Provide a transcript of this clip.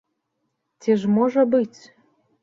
Ці ж можа быць?